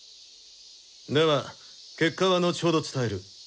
では結果は後ほど伝える。